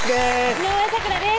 井上咲楽です